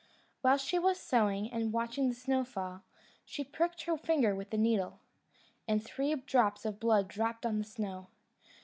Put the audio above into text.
While she was sewing and watching the snow fall, she pricked her finger with her needle, and three drops of blood dropped on the snow.